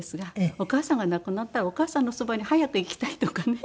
お母さんが亡くなったらお母さんのそばに早く行きたいとかね。